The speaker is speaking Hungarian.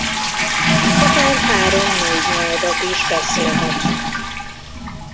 Akár három-négy nyelvet is beszélhetnek.